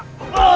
saya akan menang